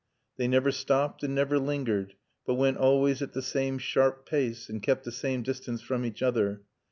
They never stopped and never lingered; but went always at the same sharp pace, and kept the same distance from each other.